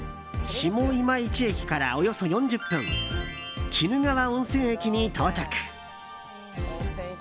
下今市駅からおよそ４０分鬼怒川温泉駅に到着。